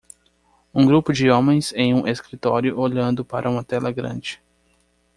Um grupo de homens em um escritório olhando para uma tela grande.